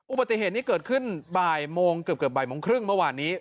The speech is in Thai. อุบัติเหตุนี้เกิดขึ้นบ่ายโมงเกือบบ่ายโมงครึ่งเมื่อวานนี้